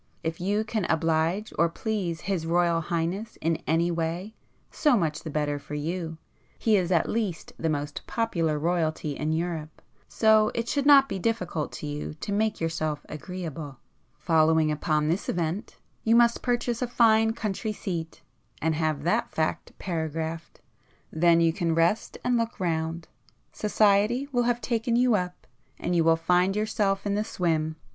If you can oblige or please His Royal Highness in any way so much the better for you,—he is at least the most popular royalty in Europe, so it should not be difficult to you to make yourself agreeable. Following upon this event, you must purchase a fine country seat, and have that fact 'paragraphed'—then you can rest and look round,—Society will have taken you up, and you will find yourself in the swim!"